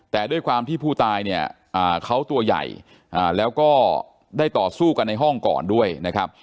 แต่ด้วยความที่ผู้ตายเนี่ยเขาตัวใหญ่แล้วก็ได้ต่อสู้กันในห้องก่อนด้วยนะครับ